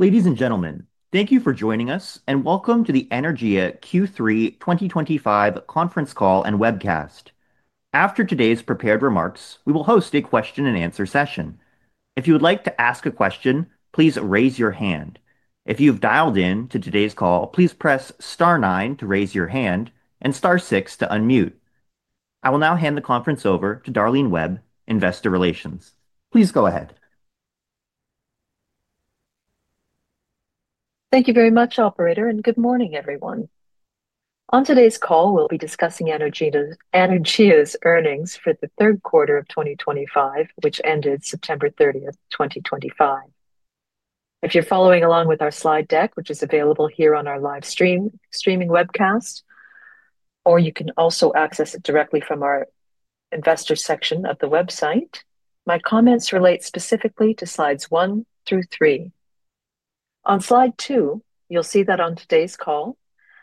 [Ladies and gentlemen, thank you for joining us, and welcome to the Anaergia Q3 2025] Conference Call and webcast. After today's prepared remarks, we will host a question-and-answer session. If you would like to ask a question, please raise your hand. If you've dialed in to today's call, please press star 9 to raise your hand and star 6 to unmute. I will now hand the conference over to Darlene Webb, Investor Relations. Please go ahead. Thank you very much, Operator, and good morning, everyone. On today's call, we'll be discussing Anaergia's earnings for the third quarter of 2025, which ended September 30, 2025. If you're following along with our slide deck, which is available here on our live streaming webcast, or you can also access it directly from our investor section of the website, my comments relate specifically to slides one through three. On slide two, you'll see that on today's call,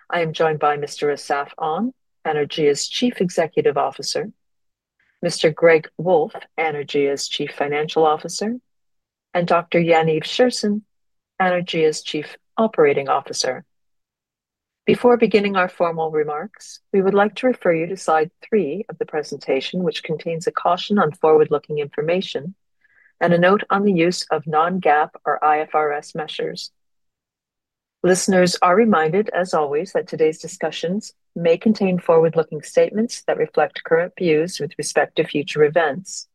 I am joined by Mr. Assaf Onn, Anaergia's Chief Executive Officer, Mr. Greg Wolf, Anaergia's Chief Financial Officer, and Dr. Yaniv Scherson, Anaergia's Chief Operating Officer. Before beginning our formal remarks, we would like to refer you to slide three of the presentation, which contains a caution on forward-looking information and a note on the use of non-GAAP or IFRS measures. Listeners are reminded, as always, that today's discussions may contain forward-looking statements that reflect current views with respect to future events.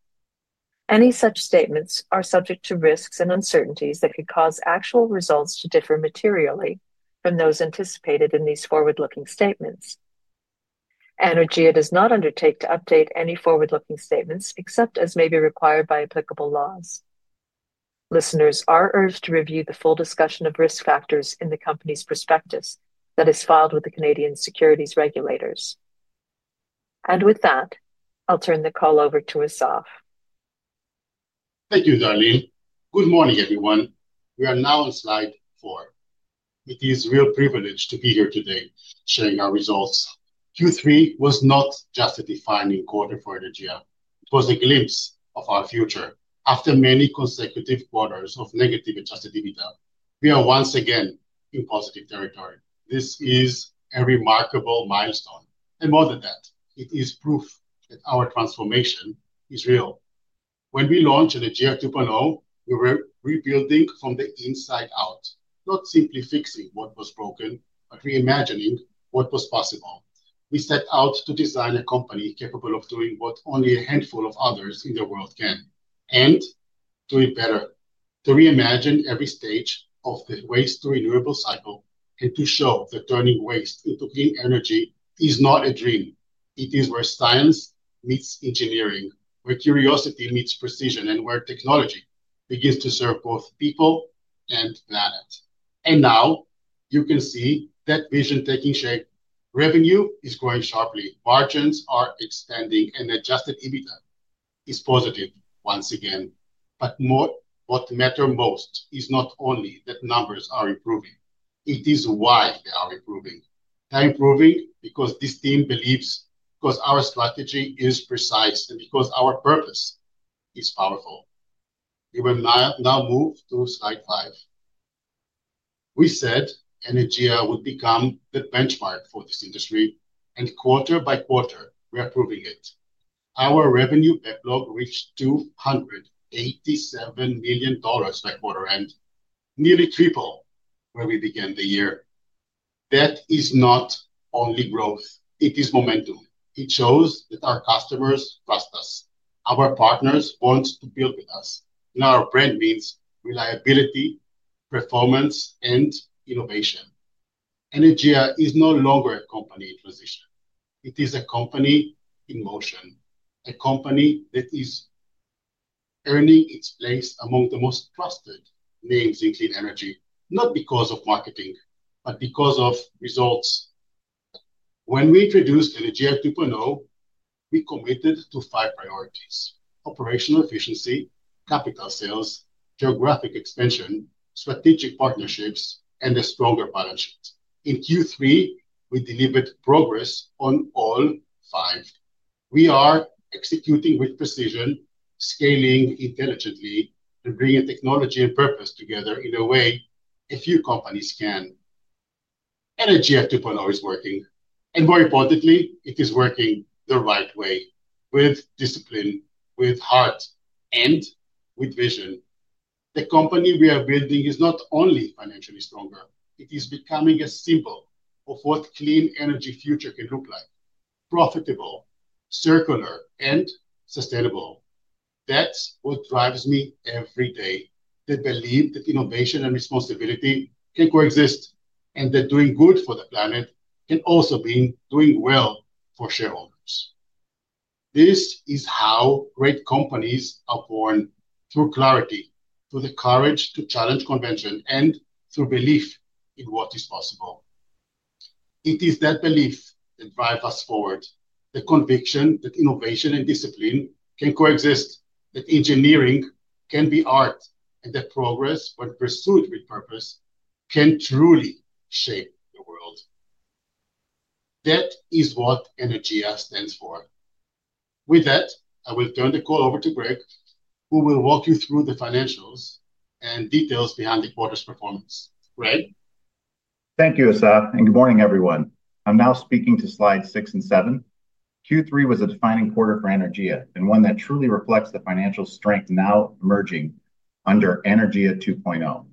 Any such statements are subject to risks and uncertainties that could cause actual results to differ materially from those anticipated in these forward-looking statements. Anaergia does not undertake to update any forward-looking statements except as may be required by applicable laws. Listeners are urged to review the full discussion of risk factors in the company's prospectus that is filed with the Canadian securities regulators. With that, I'll turn the call over to Assaf. Thank you, Darlene. Good morning, everyone. We are now on slide four. It is a real privilege to be here today sharing our results. Q3 was not just a defining quarter for Anaergia. It was a glimpse of our future. After many consecutive quarters of negative adjusted EBITDA, we are once again in positive territory. This is a remarkable milestone. More than that, it is proof that our transformation is real. When we launched Anaergia 2.0, we were rebuilding from the inside out, not simply fixing what was broken, but reimagining what was possible. We set out to design a company capable of doing what only a handful of others in the world can, and do it better, to reimagine every stage of the waste-to-renewable cycle and to show that turning waste into clean energy is not a dream. It is where science meets engineering, where curiosity meets precision, and where technology begins to serve both people and planet. You can see that vision taking shape. Revenue is growing sharply. Margins are expanding, and adjusted EBITDA is positive once again. What matters most is not only that numbers are improving. It is why they are improving. They're improving because this team believes, because our strategy is precise, and because our purpose is powerful. We will now move to slide five. We said Anaergia would become the benchmark for this industry, and quarter by quarter, we're proving it. Our revenue backlog reached $287 million by quarter end, nearly triple where we began the year. That is not only growth. It is momentum. It shows that our customers trust us. Our partners want to build with us. Our brand means reliability, performance, and innovation. Anaergia is no longer a company in transition. It is a company in motion, a company that is earning its place among the most trusted names in clean energy, not because of marketing, but because of results. When we introduced Anaergia 2.0, we committed to five priorities: operational efficiency, capital sales, geographic expansion, strategic partnerships, and a stronger balance sheet. In Q3, we delivered progress on all five. We are executing with precision, scaling intelligently, and bringing technology and purpose together in a way a few companies can. Anaergia 2.0 is working. More importantly, it is working the right way, with discipline, with heart, and with vision. The company we are building is not only financially stronger. It is becoming a symbol of what a clean energy future can look like: profitable, circular, and sustainable. That's what drives me every day, the belief that innovation and responsibility can coexist, and that doing good for the planet can also mean doing well for shareholders. This is how great companies are born: through clarity, through the courage to challenge convention, and through belief in what is possible. It is that belief that drives us forward, the conviction that innovation and discipline can coexist, that engineering can be art, and that progress, when pursued with purpose, can truly shape the world. That is what Anaergia stands for. With that, I will turn the call over to Greg, who will walk you through the financials and details behind the quarter's performance. Greg? Thank you, Assaf. Good morning, everyone. I'm now speaking to slides six and seven. Q3 was a defining quarter for Anaergia and one that truly reflects the financial strength now emerging under Anaergia 2.0.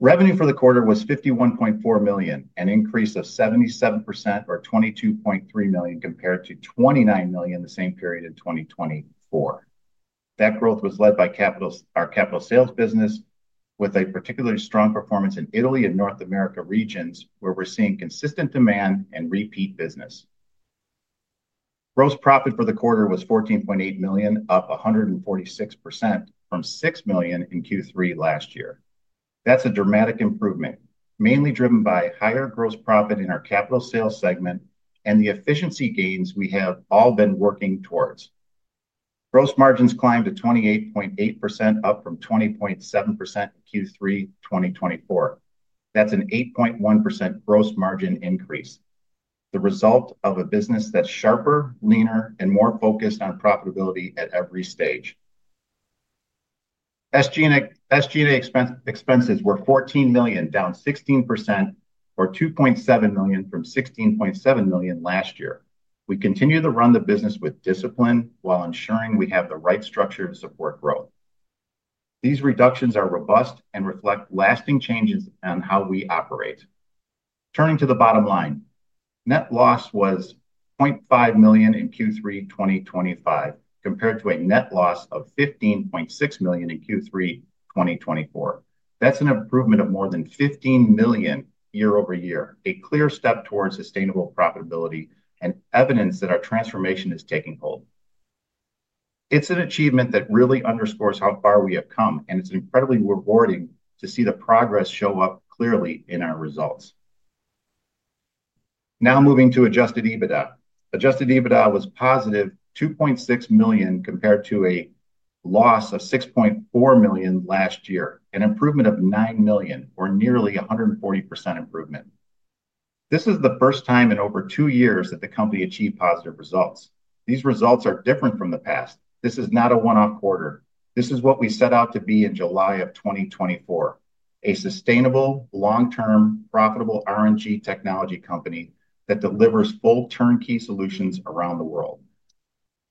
Revenue for the quarter was $51.4 million, an increase of 77% or $22.3 million compared to $29 million in the same period in 2024. That growth was led by our capital sales business, with a particularly strong performance in Italy and North America regions, where we're seeing consistent demand and repeat business. Gross profit for the quarter was $14.8 million, up 146% from $6 million in Q3 last year. That's a dramatic improvement, mainly driven by higher gross profit in our capital sales segment and the efficiency gains we have all been working towards. Gross margins climbed to 28.8%, up from 20.7% in Q3 2024. That's an 8.1% gross margin increase, the result of a business that's sharper, leaner, and more focused on profitability at every stage. SG&A expenses were $14 million, down 16% or $2.7 million from $16.7 million last year. We continue to run the business with discipline while ensuring we have the right structure to support growth. These reductions are robust and reflect lasting changes in how we operate. Turning to the bottom line, net loss was $0.5 million in Q3 2025 compared to a net loss of $15.6 million in Q3 2024. That's an improvement of more than $15 million year-over-year, a clear step towards sustainable profitability and evidence that our transformation is taking hold. It's an achievement that really underscores how far we have come, and it's incredibly rewarding to see the progress show up clearly in our results. Now moving to adjusted EBITDA. Adjusted EBITDA was positive $2.6 million compared to a loss of $6.4 million last year, an improvement of $9 million, or nearly a 140% improvement. This is the first time in over two years that the company achieved positive results. These results are different from the past. This is not a one-off quarter. This is what we set out to be in July of 2024: a sustainable, long-term, profitable RNG technology company that delivers full turnkey solutions around the world.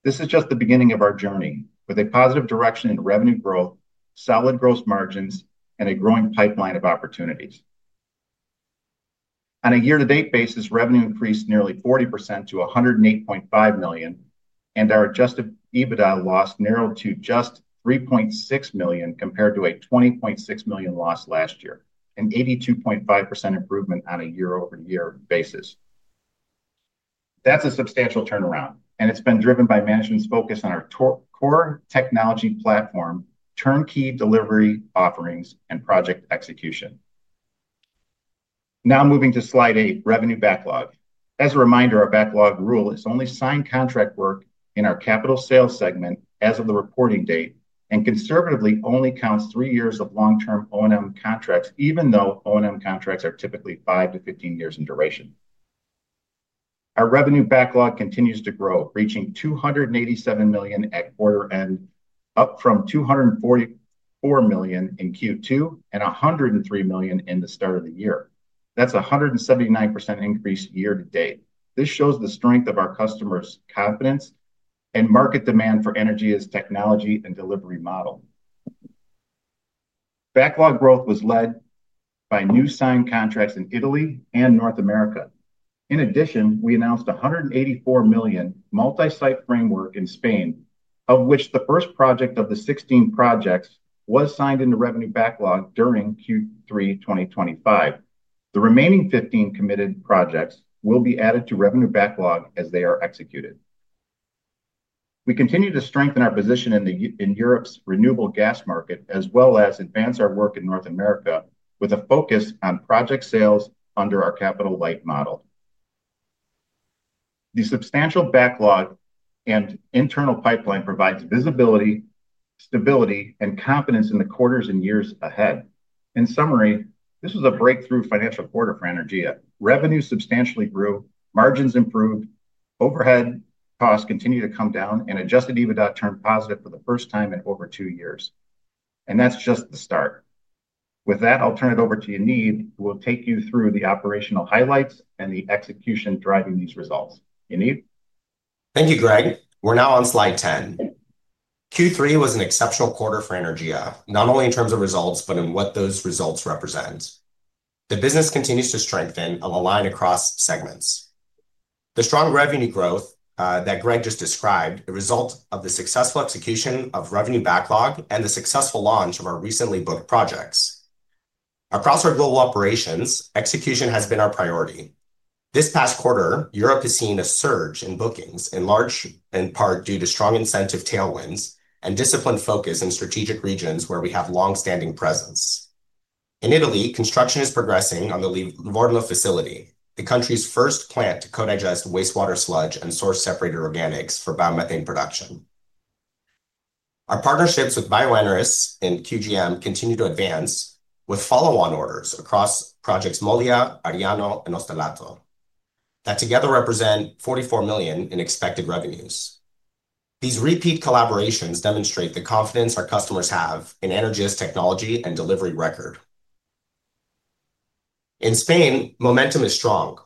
This is just the beginning of our journey, with a positive direction in revenue growth, solid gross margins, and a growing pipeline of opportunities. On a year-to-date basis, revenue increased nearly 40% to $108.5 million, and our adjusted EBITDA loss narrowed to just $3.6 million compared to a $20.6 million loss last year, an 82.5% improvement on a year-over-year basis. That's a substantial turnaround, and it's been driven by management's focus on our core technology platform, turnkey delivery offerings, and project execution. Now moving to slide eight, revenue backlog. As a reminder, our backlog rule is only signed contract work in our capital sales segment as of the reporting date and conservatively only counts three years of long-term O&M contracts, even though O&M contracts are typically 5-15 years in duration. Our revenue backlog continues to grow, reaching $287 million at quarter end, up from $244 million in Q2 and $103 million in the start of the year. That's a 179% increase year-to-date. This shows the strength of our customers' confidence and market demand for Anaergia's technology and delivery model. Backlog growth was led by new signed contracts in Italy and North America. In addition, we announced a $184 million multi-site framework in Spain, of which the first project of the 16 projects was signed into revenue backlog during Q3 2025. The remaining 15 committed projects will be added to revenue backlog as they are executed. We continue to strengthen our position in Europe's renewable gas market, as well as advance our work in North America with a focus on project sales under our capital light model. The substantial backlog and internal pipeline provide visibility, stability, and confidence in the quarters and years ahead. In summary, this was a breakthrough financial quarter for Anaergia. Revenue substantially grew, margins improved, overhead costs continued to come down, and adjusted EBITDA turned positive for the first time in over two years. That is just the start. With that, I'll turn it over to Yaniv, who will take you through the operational highlights and the execution driving these results. Yaniv? Thank you, Greg. We're now on slide ten. Q3 was an exceptional quarter for Anaergia, not only in terms of results, but in what those results represent. The business continues to strengthen and align across segments. The strong revenue growth that Greg just described is the result of the successful execution of revenue backlog and the successful launch of our recently booked projects. Across our global operations, execution has been our priority. This past quarter, Europe has seen a surge in bookings, in large part due to strong incentive tailwinds and disciplined focus in strategic regions where we have long-standing presence. In Italy, construction is progressing on the Livorno facility, the country's first plant to co-digest wastewater sludge and source-separated organics for biomethane production. Our partnerships with Bioeneris and QGM continue to advance with follow-on orders across projects Molia, Ariano, and Ostellato, that together represent $44 million in expected revenues. These repeat collaborations demonstrate the confidence our customers have in Anaergia's technology and delivery record. In Spain, momentum is strong.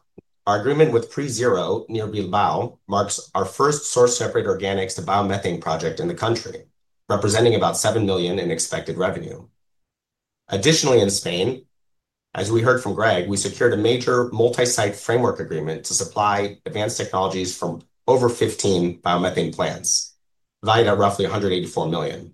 Our agreement with PreZero near Bilbao marks our first source-separated organics to biomethane project in the country, representing about $7 million in expected revenue. Additionally, in Spain, as we heard from Greg, we secured a major multi-site framework agreement to supply advanced technologies for over 15 biomethane plants, valued at roughly $184 million.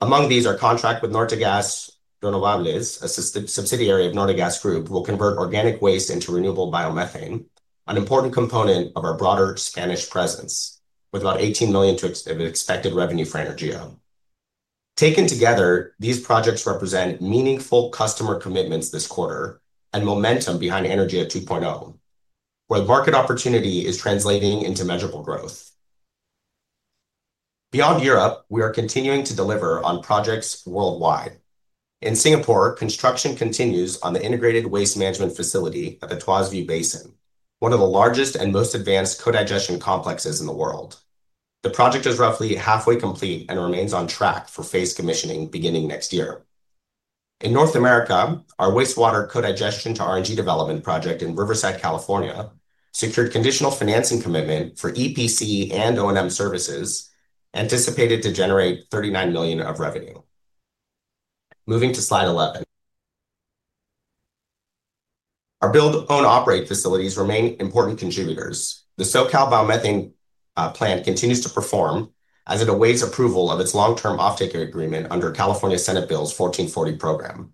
Among these, our contract with Nortegas Donovales, a subsidiary of Nortegas Group, will convert organic waste into renewable biomethane, an important component of our broader Spanish presence, with about $18 million in expected revenue for Anaergia. Taken together, these projects represent meaningful customer commitments this quarter and momentum behind Anaergia 2.0, where the market opportunity is translating into measurable growth. Beyond Europe, we are continuing to deliver on projects worldwide. In Singapore, construction continues on the integrated waste management facility at the Tuas View Basin, one of the largest and most advanced co-digestion complexes in the world. The project is roughly halfway complete and remains on track for phased commissioning beginning next year. In North America, our wastewater co-digestion to RNG development project in Riverside, California, secured conditional financing commitment for EPC and O&M services, anticipated to generate $39 million of revenue. Moving to slide 11. Our build-own-operate facilities remain important contributors. The SoCal biomethane plant continues to perform as it awaits approval of its long-term offtake agreement under California Senate Bill 1440 program.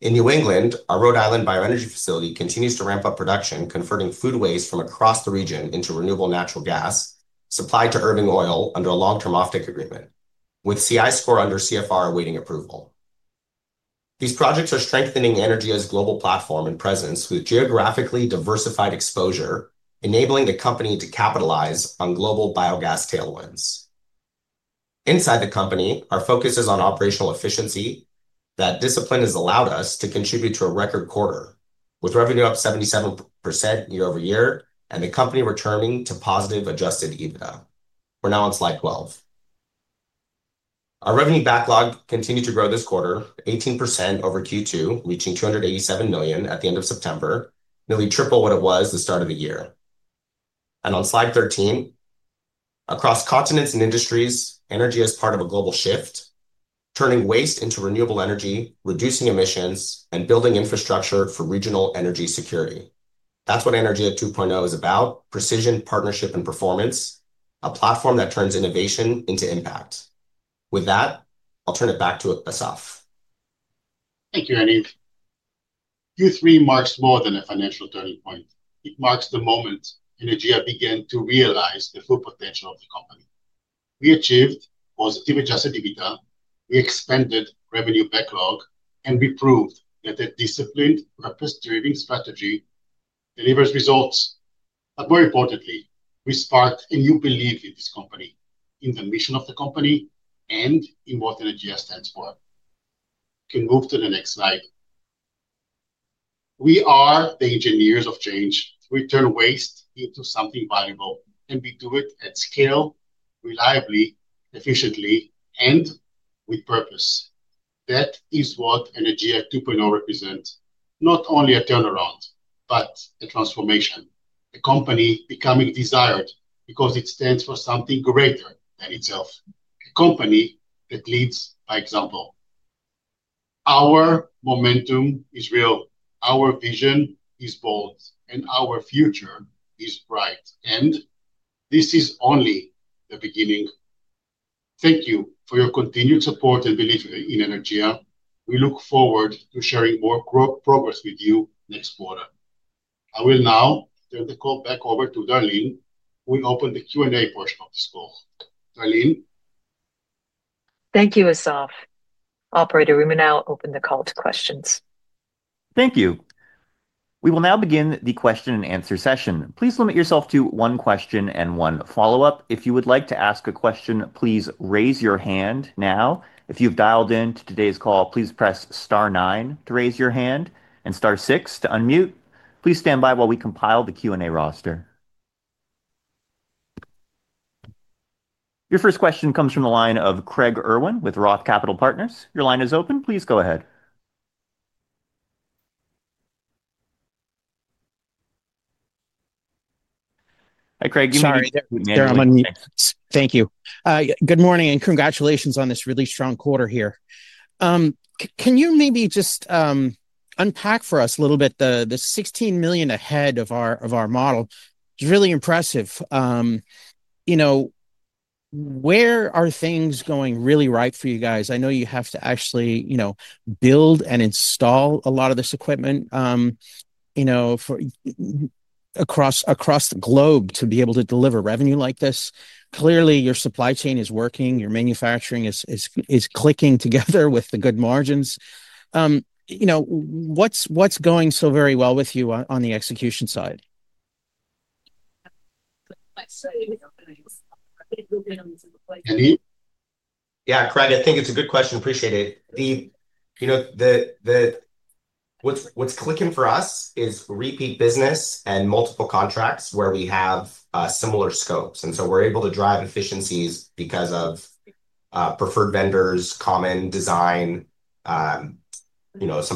In New England, our Rhode Island bioenergy facility continues to ramp up production, converting food waste from across the region into renewable natural gas supplied to Irving Oil under a long-term offtake agreement, with CI score under CFR awaiting approval. These projects are strengthening Anaergia's global platform and presence with geographically diversified exposure, enabling the company to capitalize on global biogas tailwinds. Inside the company, our focus is on operational efficiency. That discipline has allowed us to contribute to a record quarter, with revenue up 77% year-over-year and the company returning to positive adjusted EBITDA. We are now on slide 12. Our revenue backlog continued to grow this quarter, 18% over Q2, reaching $287 million at the end of September, nearly triple what it was at the start of the year. On slide 13, across continents and industries, Anaergia is part of a global shift, turning waste into renewable energy, reducing emissions, and building infrastructure for regional energy security. That is what Anaergia 2.0 is about: precision, partnership, and performance, a platform that turns innovation into impact. With that, I will turn it back to Assaf. Thank you, Yaniv. Q3 marks more than a financial turning point. It marks the moment Anaergia began to realize the full potential of the company. We achieved positive adjusted EBITDA, we expanded revenue backlog, and we proved that a disciplined, purpose-driven strategy delivers results. More importantly, we sparked a new belief in this company, in the mission of the company, and in what Anaergia stands for. You can move to the next slide. We are the engineers of change. We turn waste into something valuable, and we do it at scale, reliably, efficiently, and with purpose. That is what Anaergia 2.0 represents: not only a turnaround, but a transformation, a company becoming desired because it stands for something greater than itself, a company that leads by example. Our momentum is real. Our vision is bold, our future is bright. This is only the beginning. Thank you for your continued support and belief in Anaergia. We look forward to sharing more progress with you next quarter. I will now turn the call back over to Darlene, who will open the Q&A portion of this call. Darlene. Thank you, Assaf. Operator, we will now open the call to questions. Thank you. We will now begin the question-and-answer session. Please limit yourself to one question and one follow-up. If you would like to ask a question, please raise your hand now. If you've dialed in to today's call, please press star nine to raise your hand and star six to unmute. Please stand by while we compile the Q&A roster. Your first question comes from the line of Craig Irwin with Roth Capital Partners. Your line is open. Please go ahead. Hi, Craig. You may. Sorry. Thank you. Good morning and congratulations on this really strong quarter here. Can you maybe just unpack for us a little bit the $16 million ahead of our model? It's really impressive. Where are things going really right for you guys? I know you have to actually build and install a lot of this equipment across the globe to be able to deliver revenue like this. Clearly, your supply chain is working. Your manufacturing is clicking together with the good margins. What's going so very well with you on the execution side? Yeah, Craig, I think it's a good question. Appreciate it. What's clicking for us is repeat business and multiple contracts where we have similar scopes. We are able to drive efficiencies because of preferred vendors, common design, some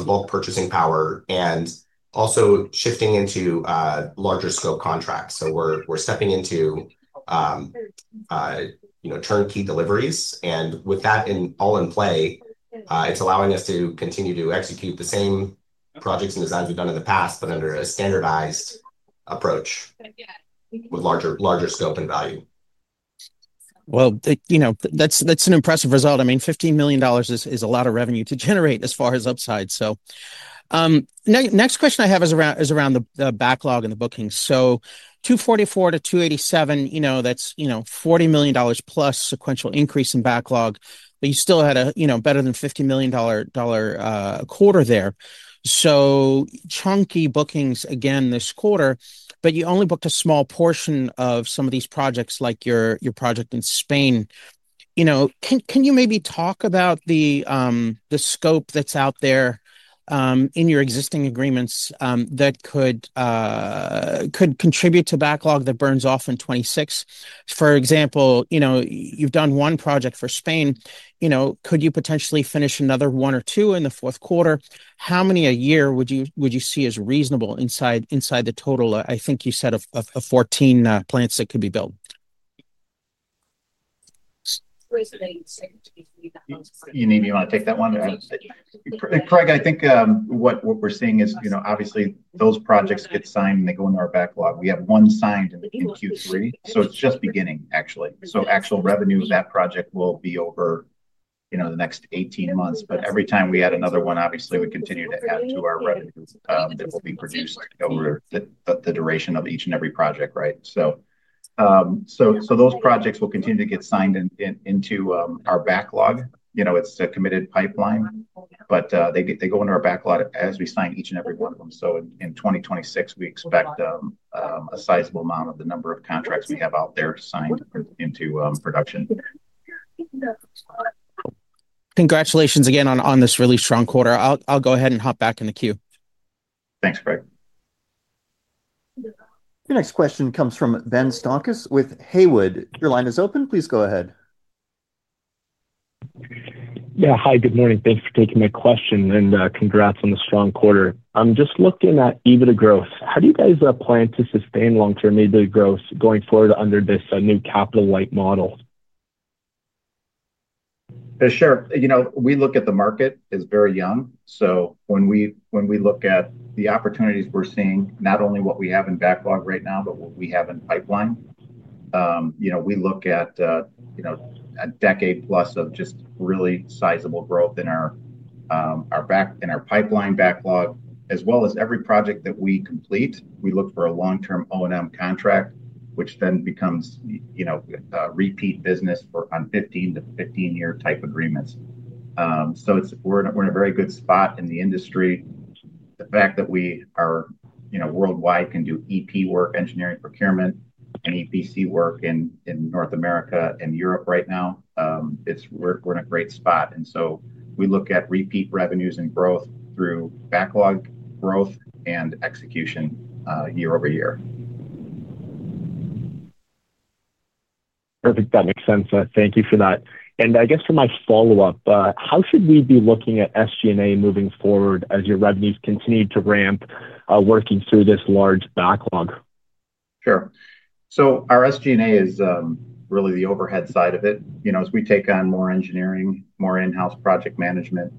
bulk purchasing power, and also shifting into larger-scope contracts. We are stepping into turnkey deliveries. With that all in play, it's allowing us to continue to execute the same projects and designs we've done in the past, but under a standardized approach with larger scope and value. That's an impressive result. I mean, $15 million is a lot of revenue to generate as far as upside. Next question I have is around the backlog and the booking. $244 million to $287 million, that's $40 million plus sequential increase in backlog, but you still had a better than $50 million quarter there. Chunky bookings again this quarter, but you only booked a small portion of some of these projects, like your project in Spain. Can you maybe talk about the scope that's out there in your existing agreements that could contribute to backlog that burns off in 2026? For example, you've done one project for Spain. Could you potentially finish another one or two in the fourth quarter? How many a year would you see as reasonable inside the total? I think you said of 14 plants that could be built. Yaniv, you want to take that one? Craig, I think what we're seeing is, obviously, those projects get signed and they go into our backlog. We have one signed in Q3, so it's just beginning, actually. Actual revenue of that project will be over the next 18 months. Every time we add another one, obviously, we continue to add to our revenue that will be produced over the duration of each and every project, right? Those projects will continue to get signed into our backlog. It's a committed pipeline, but they go into our backlog as we sign each and every one of them. In 2026, we expect a sizable amount of the number of contracts we have out there signed into production. Congratulations again on this really strong quarter. I'll go ahead and hop back in the queue. Thanks, Craig. The next question comes from Ben Stonkus with Haywood. Your line is open. Please go ahead. Yeah. Hi, good morning. Thanks for taking my question and congrats on the strong quarter. I'm just looking at EBITDA growth. How do you guys plan to sustain long-term EBITDA growth going forward under this new capital light model? Sure. We look at the market as very young. When we look at the opportunities we're seeing, not only what we have in backlog right now, but what we have in pipeline, we look at a decade-plus of just really sizable growth in our pipeline backlog. As well as every project that we complete, we look for a long-term O&M contract, which then becomes repeat business on 15-to-15-year type agreements. We are in a very good spot in the industry. The fact that we are worldwide, can do EP work, engineering procurement, and EPC work in North America and Europe right now, we are in a great spot. We look at repeat revenues and growth through backlog growth and execution year-over-year. Perfect. That makes sense. Thank you for that. I guess for my follow-up, how should we be looking at SG&A moving forward as your revenues continue to ramp working through this large backlog? Sure. Our SG&A is really the overhead side of it. As we take on more engineering, more in-house project management,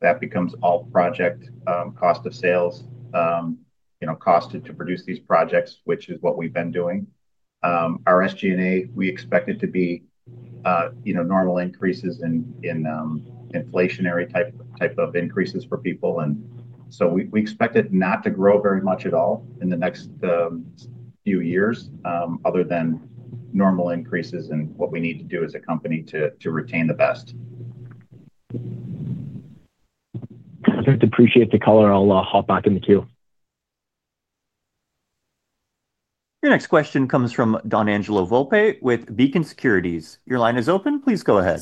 that becomes all project cost of sales, cost to produce these projects, which is what we've been doing. Our SG&A, we expect it to be normal increases in inflationary type of increases for people. We expect it not to grow very much at all in the next few years other than normal increases in what we need to do as a company to retain the best. Perfect. Appreciate the call. I'll hop back in the queue. Your next question comes from Don Angelo Volpe with Beacon Securities. Your line is open. Please go ahead.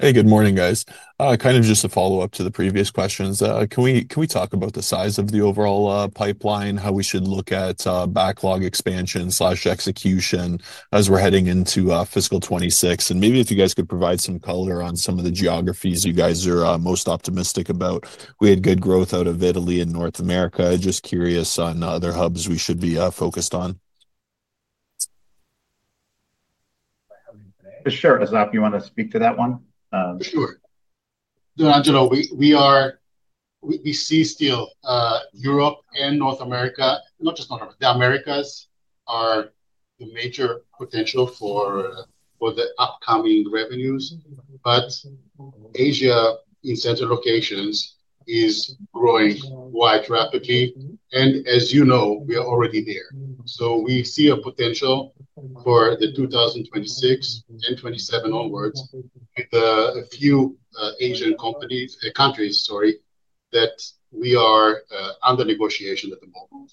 Hey, good morning, guys. Kind of just a follow-up to the previous questions. Can we talk about the size of the overall pipeline, how we should look at backlog expansion/execution as we're heading into fiscal 2026? Maybe if you guys could provide some color on some of the geographies you guys are most optimistic about. We had good growth out of Italy and North America. Just curious on other hubs we should be focused on. Sure. Assaf, you want to speak to that one? Sure. Don Angelo, we see still Europe and North America, not just North America. The Americas are the major potential for the upcoming revenues, but Asia in certain locations is growing quite rapidly. As you know, we are already there. We see a potential for 2026 and 2027 onwards with a few Asian countries, sorry, that we are under negotiation at the moment.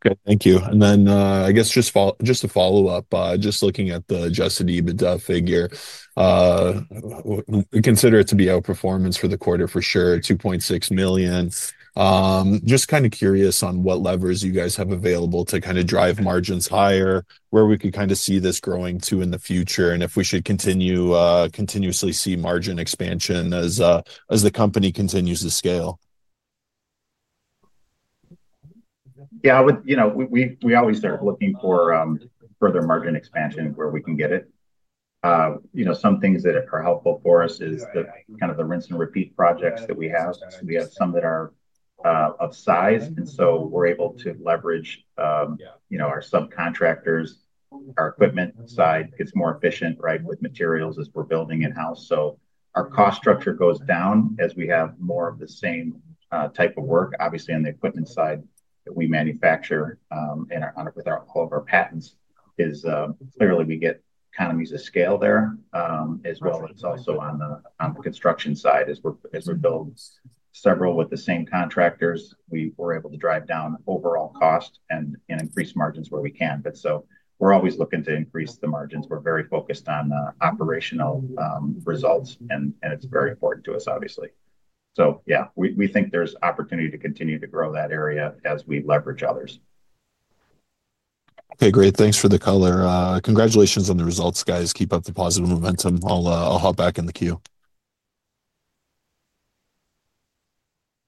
Good. Thank you. I guess just to follow up, just looking at the just EBITDA figure, we consider it to be outperformance for the quarter for sure, $2.6 million. Just kind of curious on what levers you guys have available to kind of drive margins higher, where we could kind of see this growing to in the future, and if we should continuously see margin expansion as the company continues to scale. Yeah. We always are looking for further margin expansion where we can get it. Some things that are helpful for us is kind of the rinse and repeat projects that we have. We have some that are of size, and so we're able to leverage our subcontractors. Our equipment side gets more efficient, right, with materials as we're building in-house. So our cost structure goes down as we have more of the same type of work. Obviously, on the equipment side that we manufacture with all of our patents, clearly, we get economies of scale there, as well as also on the construction side as we build several with the same contractors. We're able to drive down overall cost and increase margins where we can. We are always looking to increase the margins. We're very focused on operational results, and it's very important to us, obviously. Yeah, we think there's opportunity to continue to grow that area as we leverage others. Okay. Great. Thanks for the color. Congratulations on the results, guys. Keep up the positive momentum. I'll hop back in the queue.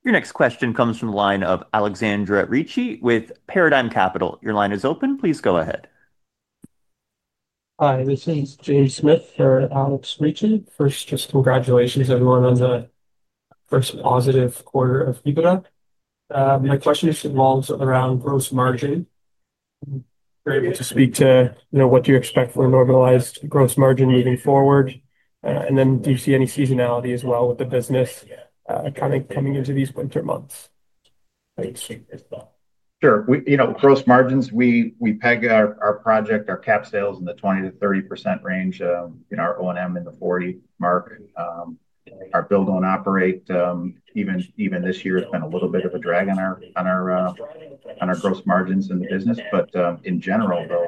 Your next question comes from the line of Alexandra Ricci with Paradigm Capital. Your line is open. Please go ahead. Hi. This is James Smith for Alex Ricci. First, just congratulations everyone on the first positive quarter of EBITDA. My question involves around gross margin. You're able to speak to what do you expect for normalized gross margin moving forward? And then do you see any seasonality as well with the business coming into these winter months? Sure. Gross margins, we peg our project, our cap sales in the 20-30% range, our O&M in the 40% mark. Our build-on operate, even this year, has been a little bit of a drag on our gross margins in the business. In general, though,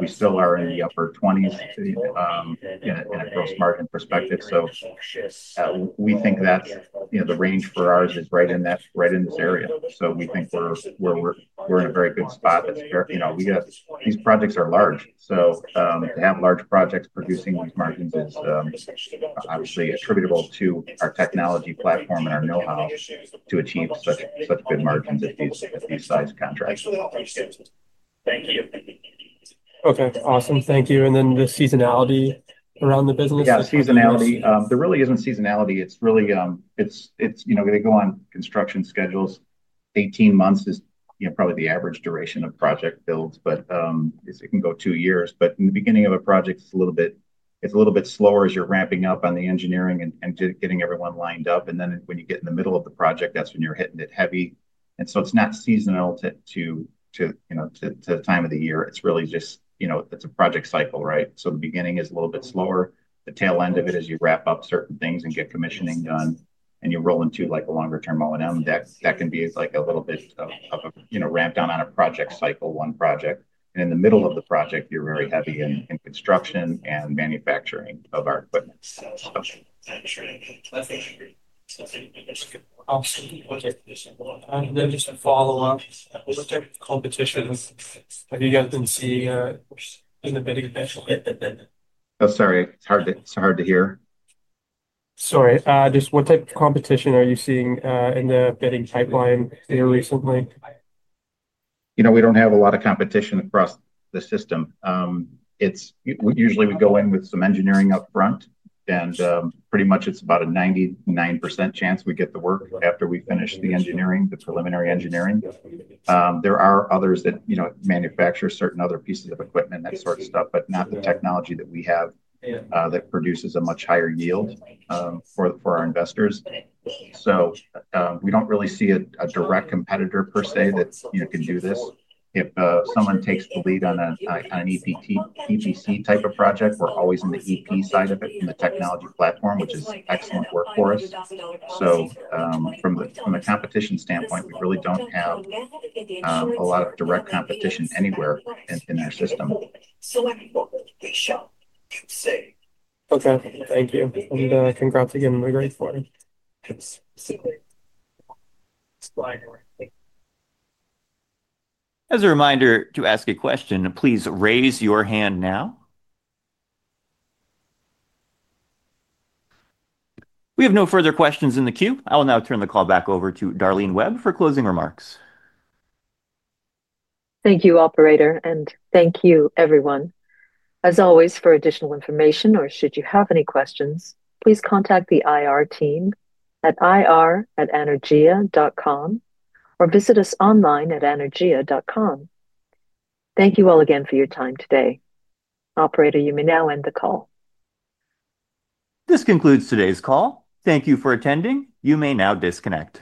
we still are in the upper 20s in a gross margin perspective. We think that the range for ours is right in this area. We think we're in a very good spot. These projects are large. To have large projects producing these margins is obviously attributable to our technology platform and our know-how to achieve such good margins at these size contracts. Okay. Awesome. Thank you. And then the seasonality around the business? Yeah. Seasonality. There really is not seasonality. It is really going to go on construction schedules. Eighteen months is probably the average duration of project builds, but it can go two years. In the beginning of a project, it is a little bit slower as you are ramping up on the engineering and getting everyone lined up. When you get in the middle of the project, that is when you are hitting it heavy. It is not seasonal to the time of the year. It is really just a project cycle, right? The beginning is a little bit slower. The tail end of it is you wrap up certain things and get commissioning done, and you roll into a longer-term O&M. That can be a little bit of a ramp down on a project cycle, one project. In the middle of the project, you're very heavy in construction and manufacturing of our equipment. [audio distrotion] Oh, sorry. It's hard to hear. Sorry. Just what type of competition are you seeing in the bidding pipeline here recently? We don't have a lot of competition across the system. Usually, we go in with some engineering upfront, and pretty much it's about a 99% chance we get the work after we finish the engineering, the preliminary engineering. There are others that manufacture certain other pieces of equipment, that sort of stuff, but not the technology that we have that produces a much higher yield for our investors. We don't really see a direct competitor per se that can do this. If someone takes the lead on an EPC type of project, we're always in the EP side of it from the technology platform, which is excellent work for us. From the competition standpoint, we really don't have a lot of direct competition anywhere in our system. Okay. Thank you. Congrats again. We're grateful. As a reminder, to ask a question, please raise your hand now. We have no further questions in the queue. I will now turn the call back over to Darlene Webb for closing remarks. Thank you, Operator, and thank you, everyone. As always, for additional information or should you have any questions, please contact the IR team at ir@anaergia.com or visit us online at anaergia.com. Thank you all again for your time today. Operator, you may now end the call. This concludes today's call. Thank you for attending. You may now disconnect.